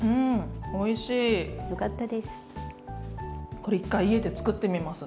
これ一回家で作ってみます。